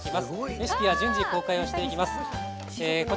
レシピは順次公開していきます。